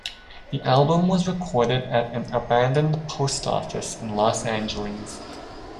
The album was recorded at an abandoned post office in Los Angeles.